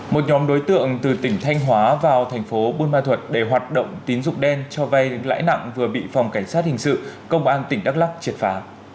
một nhóm đối tượng từ tỉnh thanh hóa vào thành phố buôn ma thuật để hoạt động tín dụng đen cho vay lãi nặng vừa bị phòng cảnh sát hình sự công an tỉnh đắk lắc triệt phá